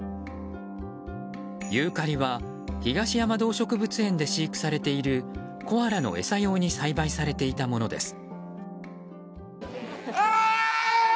ユーカリは東山動植物園で飼育されているコアラの餌用に栽培されていたものです。